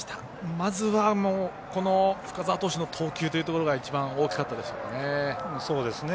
まずは、深沢投手の投球というところが一番大きかったでしょうかね。